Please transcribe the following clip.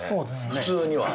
普通には。